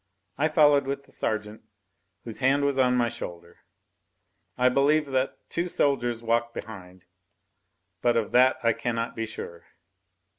I followed with the sergeant, whose hand was on my shoulder; I believe that two soldiers walked behind, but of that I cannot be sure.